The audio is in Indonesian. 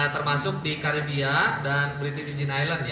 termasuk di karibia dan british virgin island